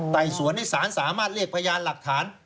ไต่สวนให้สารสามารถเรียกพยานหลักฐาน